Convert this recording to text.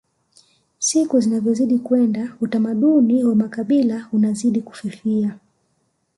siku zinavyozidi kwenda utamaduni wa makabila unazidi kufifia